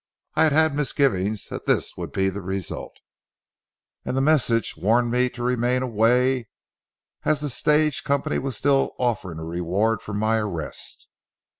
I had had misgivings that this would be the result, and the message warned me to remain away, as the stage company was still offering a reward for my arrest.